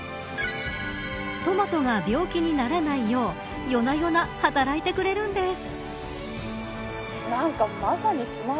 トマトが病気にならないよう夜な夜な働いてくれるんです。